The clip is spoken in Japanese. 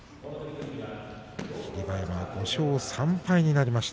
霧馬山、５勝３敗になりました。